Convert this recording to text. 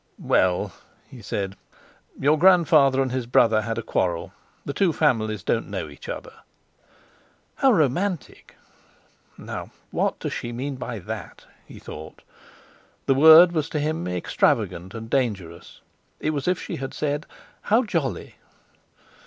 "Well," he said, "your grandfather and his brother had a quarrel. The two families don't know each other." "How romantic!" 'Now, what does she mean by that?' he thought. The word was to him extravagant and dangerous—it was as if she had said: "How jolly!"